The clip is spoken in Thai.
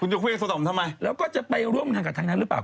คุณจะขุ้ยังสอดอมทำไมแล้วก็จะไปร่วมกับธักรนั้นหรือเปล่า